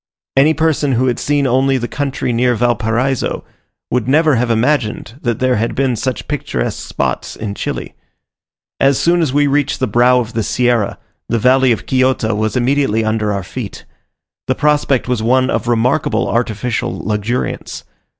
Any person who had seen only the country near Valparaiso, would never have imagined that there had been such picturesque spots in Chile. As soon as we reached the brow of the Sierra, the valley of Quillota was immediately under our feet. The prospect was one of remarkable artificial luxuriance.